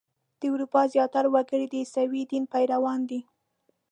د اروپا زیاتره وګړي د عیسوي دین پیروان دي.